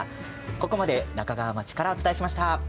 ここまで那珂川町からお伝えしました。